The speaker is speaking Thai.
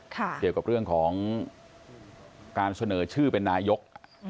เกี่ยวกับเรื่องของการเสนอชื่อเป็นนายก